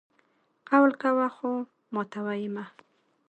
قول کوه خو ماتوه یې مه!